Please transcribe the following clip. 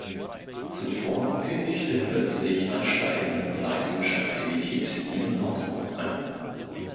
Zuvor kündigte plötzlich ansteigende seismische Aktivität diesen Ausbruch an.